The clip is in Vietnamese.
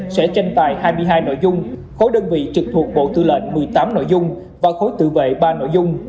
sẽ tranh tài hai mươi hai nội dung khối đơn vị trực thuộc bộ tư lệnh một mươi tám nội dung và khối tự vệ ba nội dung